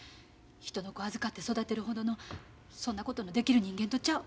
人の子預かって育てるほどのそんなことのできる人間とちゃう。